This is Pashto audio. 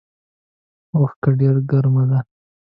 اوښکه ډیره ګرمه ده